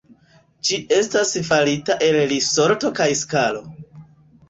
Ĝi estas farita el risorto kaj skalo.